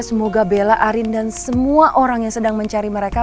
semoga bella arin dan semua orang yang sedang mencari mereka